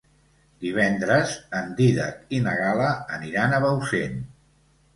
Divendres en Dídac i na Gal·la aniran a Bausen.